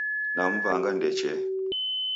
Namw'anga ndechee